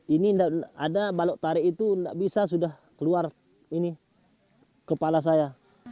ini ada balok tarik itu tidak bisa sudah keluar ini kepala saya